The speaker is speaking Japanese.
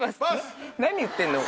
何言ってんの？